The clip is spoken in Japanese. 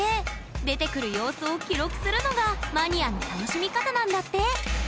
出てくる様子を記録するのがマニアの楽しみ方なんだって。